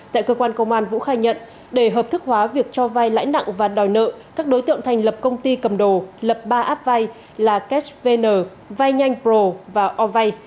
tại cơ quan công an vũ khai nhận để hợp thức hóa việc cho vai lãi nặng và đòi nợ các đối tượng thành lập công ty cầm đầu lập ba app vai là cashvn vainhanhpro và ovai